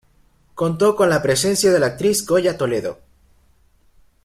Contó con la presencia de la actriz Goya Toledo.